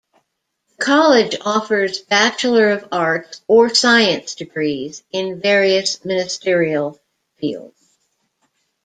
The college offers bachelor of arts or science degrees in various ministerial fields.